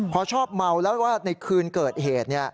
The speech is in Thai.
พอชอบเมาแล้วว่าในคืนเกิดเหตุ